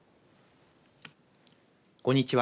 こんにちは。